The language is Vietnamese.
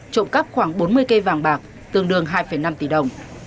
trộm cắp khoảng bốn mươi cây vàng bạc tương đương hai năm tỷ đồng